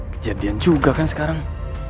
kejadian juga kan sekarang